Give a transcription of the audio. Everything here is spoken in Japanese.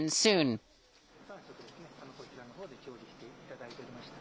３食ですね、こちらのほうで調理していただいてました。